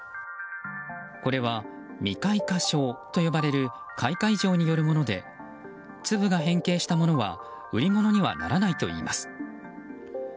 これは未開花症と呼ばれる開花異常によるもので粒が変形したものは売り物にはならないといいます。